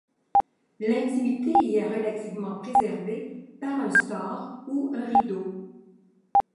L’intimité y est relativement préservée par un store ou un rideau.